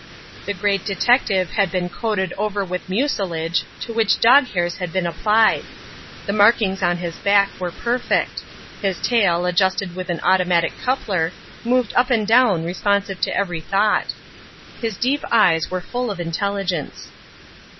The Great Detective had been coated over with mucilage to which dog hairs had been applied. The markings on his back were perfect. His tail, adjusted with an automatic coupler, moved up and down responsive to every thought. His deep eyes were full of intelligence.